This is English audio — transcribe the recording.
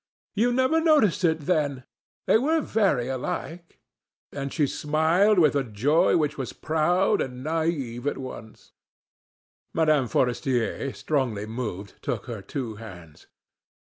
You never noticed it, then! They were very like." And she smiled with a joy which was proud and naïve at once. Mme. Forestier, strongly moved, took her two hands.